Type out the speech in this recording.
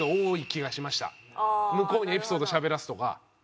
向こうにエピソードをしゃべらすとか。